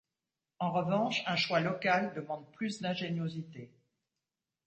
En revanche un choix local demande plus d'ingéniosité.